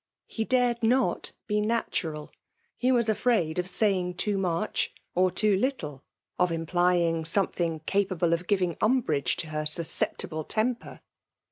He dared not be naturaL He was afraid of saying too much» or too little ; of implying something capable of giving umbrage to her susceptible temper.